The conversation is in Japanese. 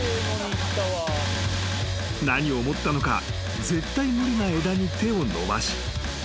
［何を思ったのか絶対無理な枝に手を伸ばし］